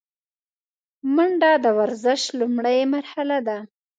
منډه د ورزش لومړۍ مرحله ده